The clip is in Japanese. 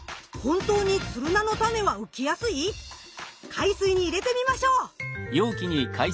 海水に入れてみましょう！